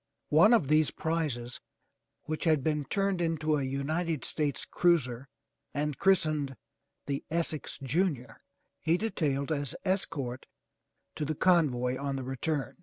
One of these prizes which had been turned into a United States cruiser and christened The Essex Junior, he detailed as escort to the convoy on the return.